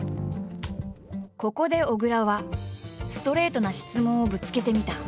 ここで小倉はストレートな質問をぶつけてみた。